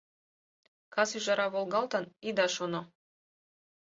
Кас ӱжара волгалтын, ида шоно